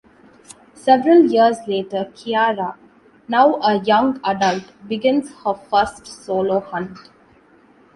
Several years later, Kiara, now a young adult, begins her first solo hunt.